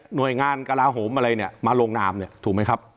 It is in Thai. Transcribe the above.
หน่วยงานกระลาโหมอะไรเนี่ยมาลงนามเนี่ยถูกไหมครับ